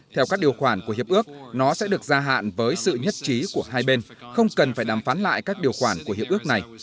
theo các điều khoản của hiệp ước nó sẽ được gia hạn với sự nhất trí của hai bên không cần phải đàm phán lại các điều khoản của hiệp ước này